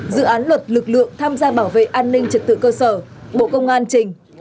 dự án luật lực lượng tham gia bảo vệ an ninh trật tự cơ sở bộ công an trình